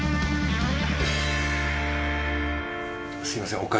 すみません